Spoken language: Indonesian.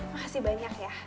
makasih banyak ya